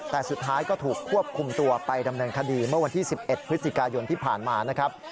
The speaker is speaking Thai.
แต่สุดท้ายก็ถูกควบคุมตัวไปดำเนินคดีเมื่อวันที่๑๑พฤศจิกายนที่ผ่านมานะครับ